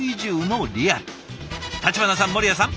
橘さん守屋さん